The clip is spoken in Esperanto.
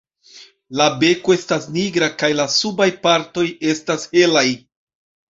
La beko estas nigra kaj la subaj partoj estas helaj.